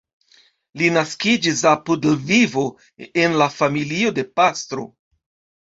Li naskiĝis apud Lvivo en la familio de pastro.